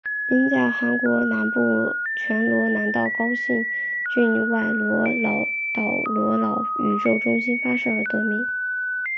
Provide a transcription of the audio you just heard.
因在韩国南部全罗南道高兴郡外罗老岛罗老宇航中心发射而得名。